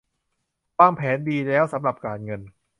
วางแผนดีแล้วสำหรับการเงิน